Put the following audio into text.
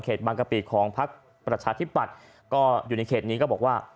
บางกะปิของพักประชาธิปัตย์ก็อยู่ในเขตนี้ก็บอกว่า